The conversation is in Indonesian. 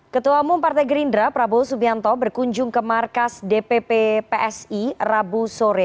ketua umum partai gerindra prabowo subianto berkunjung ke markas dpp psi rabu sore